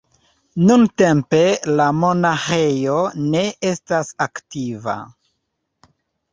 Nuntempe la monaĥejo ne estas aktiva.